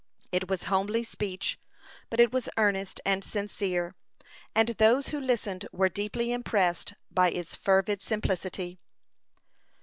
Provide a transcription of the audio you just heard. It was homely speech, but it was earnest and sincere, and those who listened were deeply impressed by its fervid simplicity.